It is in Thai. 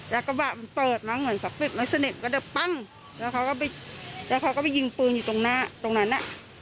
แล้วก็ว่ามันเปิดมาเหมือนกับปิ๊บไม้สะเน็ตก็ได้ปั้งแล้วเขาก็ไปแล้วเขาก็ไปยิงปืนอยู่ตรงหน้าตรงนั้นน่ะ